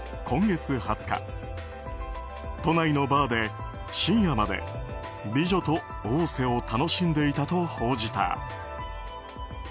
今月２０日都内のバーで深夜まで美女と逢瀬を楽しんでいたと報じた。